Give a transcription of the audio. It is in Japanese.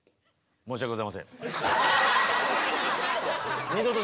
申し訳ございません。